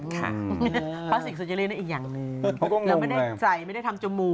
กลัดส่วนที่ไปแล้วคุณต้องรวม